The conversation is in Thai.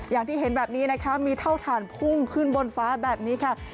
อย่างที่เห็นแบบนี้นะคะมีเท่าฐานพุ่งขึ้นบนฟ้าแบบนี้ค่ะ